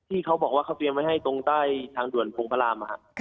ที่เขาบอกว่าเขาเตรียมไว้ให้ตรงใต้ทางด่วนภูมิพระรามนะฮะค่ะ